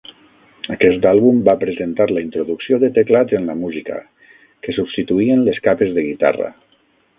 Aquest àlbum va presentar la introducció de teclats en la música, que substituïen les capes de guitarra.